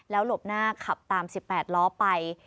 หลบหน้าขับตาม๑๘ล้อไป